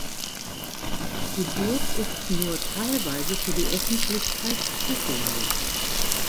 Die Burg ist nur teilweise für die Öffentlichkeit zugänglich.